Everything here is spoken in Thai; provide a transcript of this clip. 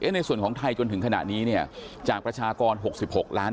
ในส่วนของไทยจนถึงขณะนี้เนี่ยจากประชากร๖๖ล้าน